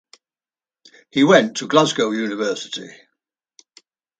He went to Glasgow University.